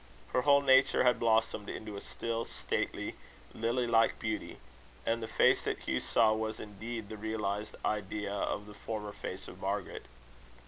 Her whole nature had blossomed into a still, stately, lily like beauty; and the face that Hugh saw was indeed the realised idea of the former face of Margaret.